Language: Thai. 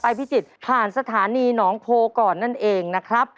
พิจิตรผ่านสถานีหนองโพก่อนนั่นเองนะครับ